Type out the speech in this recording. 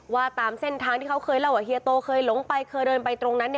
ว่าตามเส้นทางที่เขาเคยเล่าว่าเฮียโตเคยหลงไปเคยเดินไปตรงนั้น